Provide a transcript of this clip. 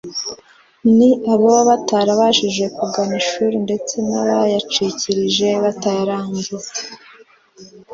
ni ababa batarabashije kugana ishuri ndetse n’abayacikirije batarayarangiza